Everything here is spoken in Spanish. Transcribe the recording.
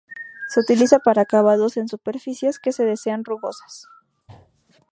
Se utiliza para acabados en superficies que se desean rugosas.